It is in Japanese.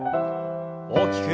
大きく。